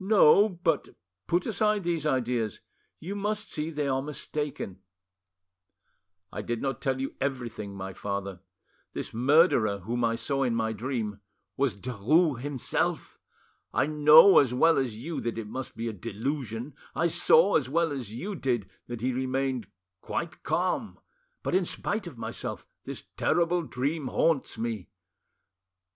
"No. But put aside these ideas; you must see they are mistaken." "I did not tell everything, my father: this murderer whom I saw in my dream—was Derues himself! I know as well as you that it must be a delusion, I saw as well as you did that he remained quite calm, but, in spite of myself, this terrible dream haunts me